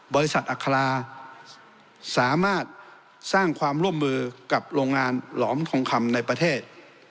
อัคราสามารถสร้างความร่วมมือกับโรงงานหลอมทองคำในประเทศ